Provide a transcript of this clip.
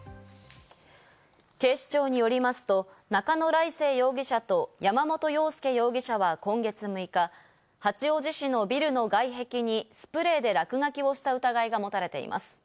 警視庁によりますと、中野礼誠容疑者と山本陽介容疑者は今月６日、八王子市のビルの外壁にスプレーで落書きをした疑いが持たれています。